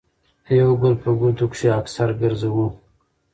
يو ګل په ګوتو کښې اکثر ګرځوو